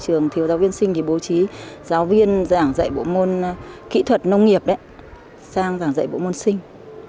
trường thiếu giáo viên sinh thì bố trí giáo viên giảng dạy bộ môn kỹ thuật nông nghiệp sang giảng dạy bộ môn sinh